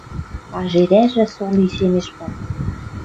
А жерӓжӹ со лишемеш пац.